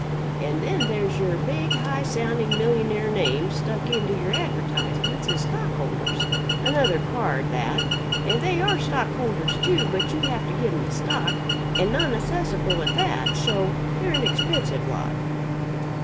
And then there's your big high sounding millionaire names stuck into your advertisements as stockholders another card, that and they are stockholders, too, but you have to give them the stock and non assessable at that so they're an expensive lot.